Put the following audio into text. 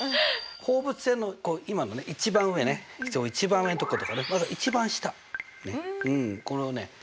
放物線の今のね一番上ね一番上のとことか一番下これをね